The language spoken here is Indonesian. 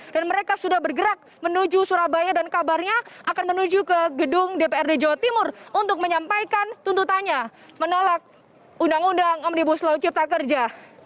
dan mereka sudah bergerak menuju surabaya dan kabarnya akan menuju ke gedung dprd jawa timur untuk menyampaikan tuntutannya menolak undang undang amnibus law cipta kerja